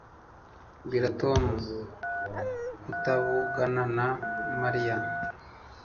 Bwira Tom kutavugana na Mariya